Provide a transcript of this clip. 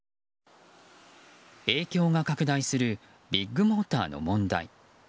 影響が拡大するビッグモーターの問題。